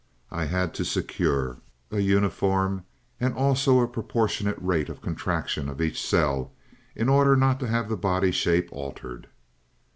I had to secure a uniform and also a proportionate rate of contraction of each cell, in order not to have the body shape altered.